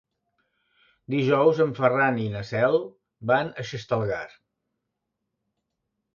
Dijous en Ferran i na Cel van a Xestalgar.